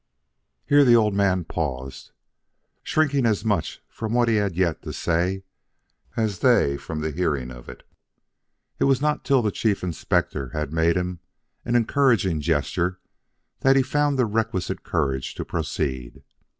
Here the old man paused, shrinking as much from what he had yet to say as they from the hearing of it. It was not till the Chief Inspector had made him an encouraging gesture that he found the requisite courage to proceed.